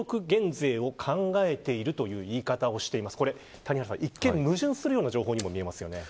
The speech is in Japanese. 谷原さん、一見矛盾するような情報にも見えますよね。